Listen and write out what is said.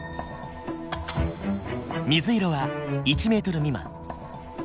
水色は１ｍ未満。